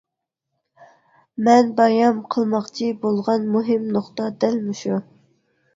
مەن بايان قىلماقچى بولغان مۇھىم نۇقتا دەل مۇشۇ.